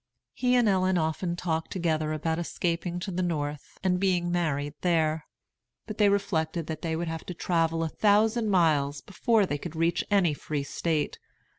He and Ellen often talked together about escaping to the North and being married there. But they reflected that they would have to travel a thousand miles before they could reach any Free State.